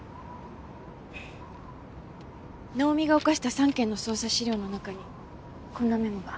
能見が犯した３件の捜査資料の中にこんなメモが。